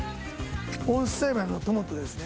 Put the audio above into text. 温室栽培のトマトですね。